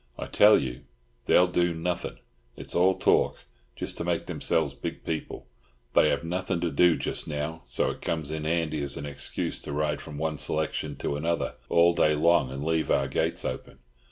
I tell you, they'll do nothing. It's all talk, just to make themselves big people. They have nothing to do just now, so it comes in handy as an excuse to ride from one selection to another all day long and leave our gates open.